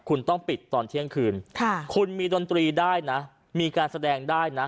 คุณต้องปิดตอนเที่ยงคืนคุณมีดนตรีได้นะมีการแสดงได้นะ